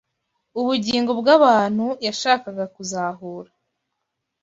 ubugingo bw’abantu yashakaga kuzahura,